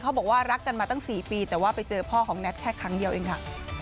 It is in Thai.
บอกว่ารักกันมาตั้ง๔ปีแต่ว่าไปเจอพ่อของแน็ตแค่ครั้งเดียวเองค่ะ